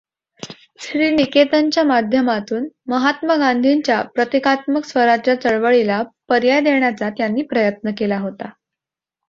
श्री निकेतनच्या माध्यमातून महात्मा गांधींच्या प्रतिकात्मक स्वराज्य चळवळीला पर्याय देण्याचा त्यांनी प्रयत्न केला होता.